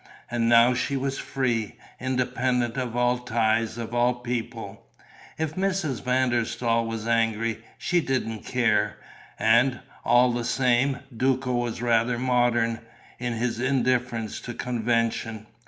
And now she was free, independent of all ties, of all people. If Mrs. van der Staal was angry, she didn't care.... And, all the same, Duco was rather modern, in his indifference to convention.